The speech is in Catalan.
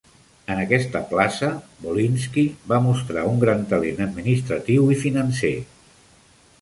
En aquesta plaça, Volynsky va mostrar un gran talent administratiu i financer.